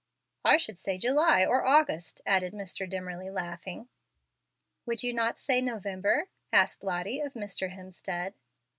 "I should say July or August," added Mr. Dimmerly, laughing. "Would you not say November?" asked Lottie of Mr. Hemstead.